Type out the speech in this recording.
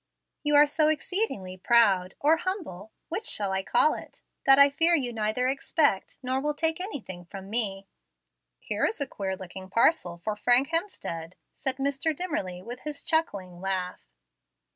You are so exceedingly proud or humble which shall I call it? that I fear you neither expect, nor will take anything from me." "Here is a queer looking parcel for Frank Hemstead," said Mr. Dimmerly, with his chuckling laugh.